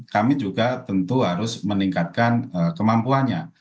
kami juga tentu harus meningkatkan kemampuannya